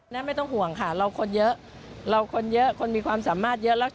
นั่นไม่ต้องห่วงค่ะเราคนเยอะคนมีความสามารถเยอะ